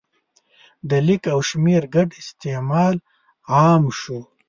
د لیک او شمېر ګډ استعمال عام شو.